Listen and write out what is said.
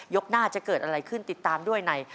หน้าจะเกิดอะไรขึ้นติดตามด้วยใน